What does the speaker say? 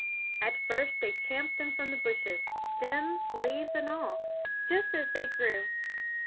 At first they champed them from the bushes, stems, leaves and all, just as they grew.